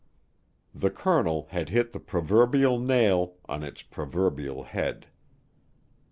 The colonel had hit the proverbial nail on its proverbial head.